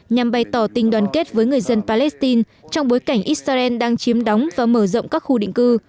nhằm bày tỏ tình đoàn kết với người dân palestine trong bối cảnh israel đang chiếm đóng và mở rộng các khu định cư